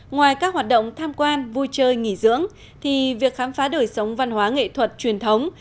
ngoài các hoạt động tham quan vui chơi nghỉ dưỡng thì việc khám phá đời sống văn hóa nghệ thuật truyền thống